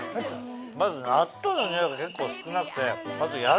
まず納豆のニオイが結構少なくて。